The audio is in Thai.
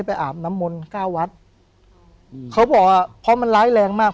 อาบน้ำมนต์เก้าวัดอืมเขาบอกว่าเพราะมันร้ายแรงมาก